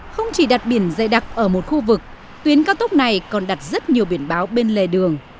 không chỉ đặt biển dày đặc ở một khu vực tuyến cao tốc này còn đặt rất nhiều biển báo bên lề đường